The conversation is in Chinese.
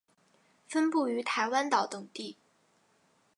分布于台湾岛等地。